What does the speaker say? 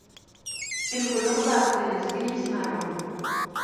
El color base es gris-marrón.